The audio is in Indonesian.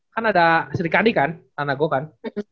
kan ada shrikadi kan tanago kan